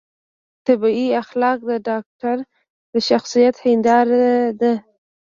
طبي اخلاق د ډاکتر د شخصیت هنداره ده.